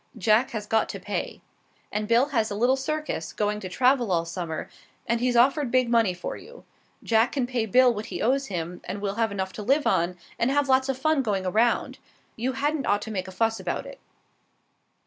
Jack has got to pay. And Bill has a little circus, going to travel all summer, and he's offered big money for you. Jack can pay Bill what he owes him, and we'll have enough to live on, and have lots of fun going around. You hadn't ought to make a fuss about it."